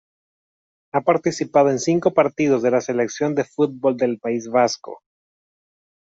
Ha participado en cinco partidos de la Selección de fútbol del País Vasco.